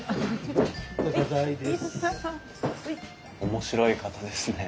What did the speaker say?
面白い方ですね。